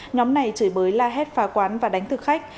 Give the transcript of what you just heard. nhóm này chửi bới la hét phá quán và đánh thực khách